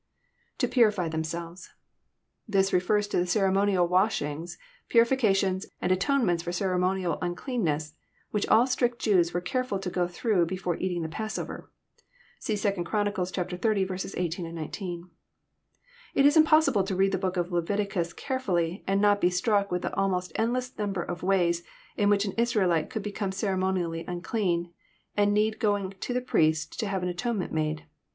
ITo purify themselves.'] This refers to the ceremonial wash ings, purifications, and atonements for ceremonial uncleanness, which all strict Jews were carefbl to go through before eating the passover. (See 2 Chron. xxx. 18, 19.) It is impossible to read the book of Leviticus carefhlly, and not to be struck with the almost endless number of ways in which an Israelite could be come ceremonially unclean, and need going to the priest to have an atonement made.